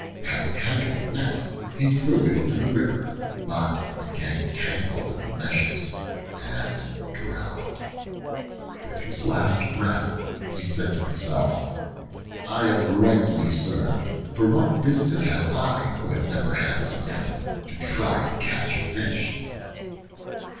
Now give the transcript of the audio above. Having handled the net, he threw it into the river, but became tangled in the meshes and drowned. With his last breath he said to himself, "I am rightly served; for what business had I who had never handled a net to try and catch fish?"